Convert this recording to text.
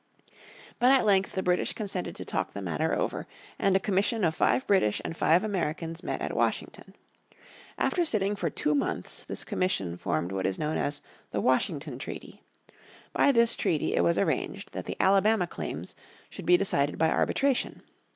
But at length the British consented to talk the matter over, and a commission of five British and five Americans met at Washington. After sitting for two months this commission formed what is known as the Washington Treaty. By this Treaty it was arranged that the Alabama Claims should be decided by arbitration.